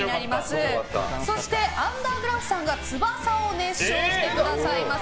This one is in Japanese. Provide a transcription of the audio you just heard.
そしてアンダーグラフさんが「ツバサ」を熱唱してくださいます。